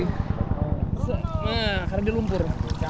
nah karena dia lumpur